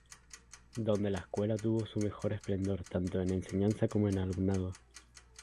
Donde la Escuela tuvo su mejor esplendor tanto en enseñanza como en alumnado.